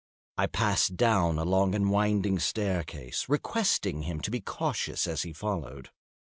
I passed down a long and winding staircase, requesting him to be cautious as he followed.